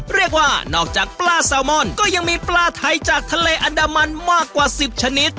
เรียกว่านอกจากปลาแซลมอนก็ยังมีปลาไทยจากทะเลอันดามันมากกว่า๑๐ชนิด